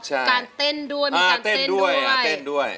การเต้นด้วยมีการเต้นด้วย